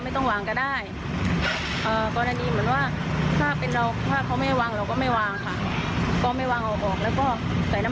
ไม่ทับเล็นไม่มีค่ะ